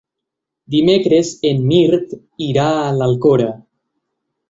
Dimecres en Mirt irà a l'Alcora.